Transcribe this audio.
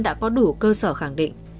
đã có đủ cơ sở khẳng định